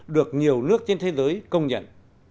được nhiều nước trên thế giới công nhận